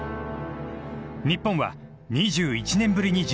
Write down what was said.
日本は２１年ぶりに自力出場。